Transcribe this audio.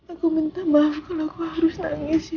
aku minta maaf kalau aku harus nangis